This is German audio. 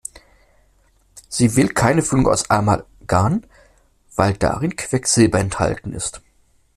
Sie will keine Füllung aus Amalgam, weil darin Quecksilber enthalten ist.